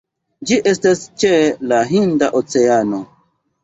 Ĝi estas ĉe la Hinda Oceano.